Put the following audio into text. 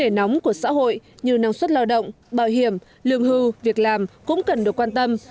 vấn đề nóng của xã hội như năng suất lao động bảo hiểm lương hưu việc làm cũng cần được quan tâm